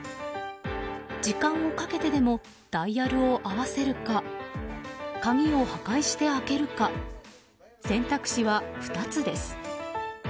時間をかけてでもダイヤルを合わせるか鍵を破壊して開けるか選択肢は２つです。